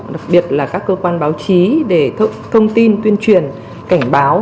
đặc biệt là các cơ quan báo chí để thông tin tuyên truyền cảnh báo